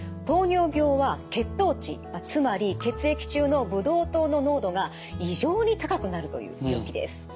糖尿病は血糖値つまり血液中のブドウ糖の濃度が異常に高くなるという病気です。